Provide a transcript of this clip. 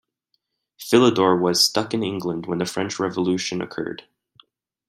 Philidor was stuck in England when the French Revolution occurred.